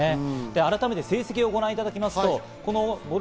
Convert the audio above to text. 改めて成績をご覧いただきます。